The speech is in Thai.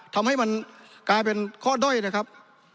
ทำให้มันกลายเป็นข้อด้อยนะครับ